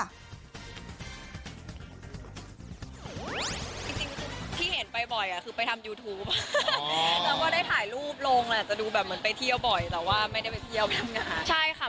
แล้วก็ให้เราตัดสินใจเป็นหลักค่ะชอบแบบชอบพูดจำไม่ดีหรอก